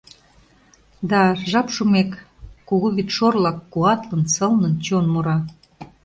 Да, жап шумек, кугу вӱдшорлак, куатлын, сылнын чон мура.